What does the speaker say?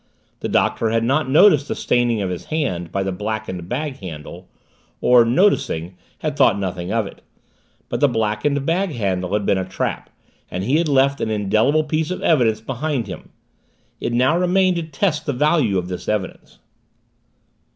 The Doctor had not noticed the staining of his hand by the blackened bag handle, or, noticing, had thought nothing of it but the blackened bag handle had been a trap, and he had left an indelible piece of evidence behind him. It now remained to test the value of this evidence.